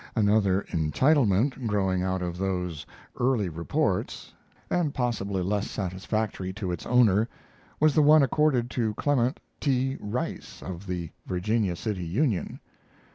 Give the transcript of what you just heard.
Another "entitlement" growing out of those early reports, and possibly less satisfactory to its owner, was the one accorded to Clement T. Rice, of the Virginia City Union.